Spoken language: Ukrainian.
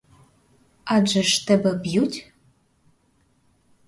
Адже ж тебе б'ють?